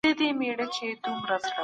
ښځي د نارینه وو په څیر بشپړ حقونه لري.